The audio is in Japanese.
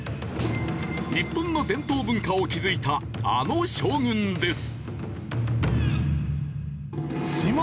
日本の伝統文化を築いたあの将軍です。